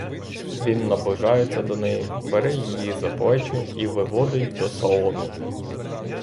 Він наближається до неї, бере її за плечі і виводить до салону.